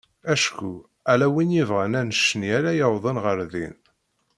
Acku ala win yebɣan annect-nni ara yawḍen ɣer din.